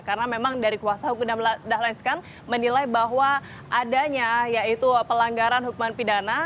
karena memang dari kuasa hukum dahlan iskan menilai bahwa adanya yaitu pelanggaran hukuman pidana